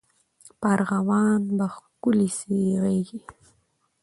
په ارغوان به ښکلي سي غیږي